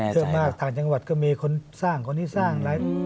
ประมาณเที่ยวมากทางจังหวัดมีคนสร้างให้สร้าง